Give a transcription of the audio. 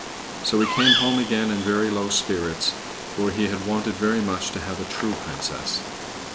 So he came home again in very low spirits, for he had wanted very much to have a true princess.